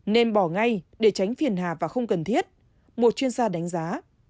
nên bỏ ngay để tránh phiền hà và không cần thiết một chuyên gia đánh giá